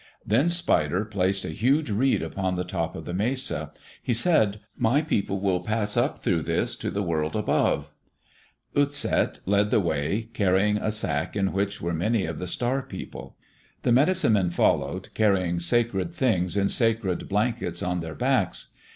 Then Spider placed a huge reed upon the top of the mesa. He said, "My people will pass up through this to the world above." Utset led the way, carrying a sack in which were many of the Star people. The medicine men followed, carrying sacred things in sacred blankets on their backs.